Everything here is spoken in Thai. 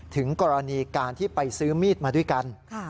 ถึงกรณีการที่ไปซื้อมีดมาด้วยกัน